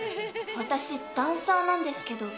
私、ダンサーなんですけど。